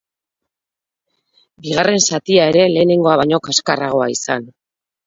Bigarren zatia ere lehenengoa baino kaskarragoa izan.